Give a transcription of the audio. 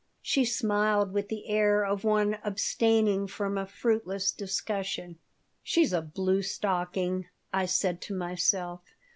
She smiled with the air of one abstaining from a fruitless discussion "She's a blue stocking," I said to myself.